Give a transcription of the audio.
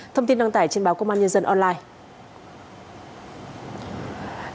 thông tin đăng tải trên báo công an nhân dân online